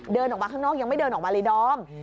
เดินออกมาข้างนอกยังไม่เดินออกมาเลยดอม